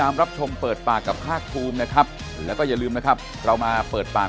มันดูประหลาด